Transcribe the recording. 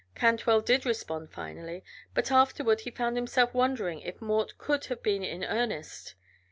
Cantwell did respond finally, but afterward he found himself wondering if Mort could have been in earnest.